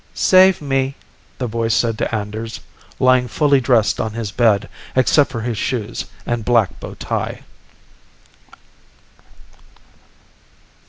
"Save me," the voice said to Anders, lying fully dressed on his bed, except for his shoes and black bow tie.